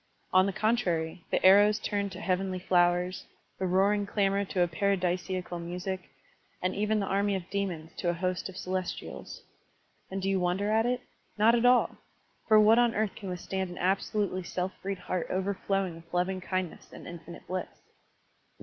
On the contrary, the arrows turned to heavenly flowers, the roaring clamor to a paradisiacal music, and even the army of demons to a host of celestials. And do you wonder at it? Not at all! For what on earth can withstand an absolutely self freed heart overflowing with loving kindness and infinite bliss?